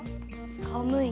寒い？